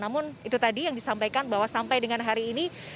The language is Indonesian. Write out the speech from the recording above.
namun itu tadi yang disampaikan bahwa sampai dengan hari ini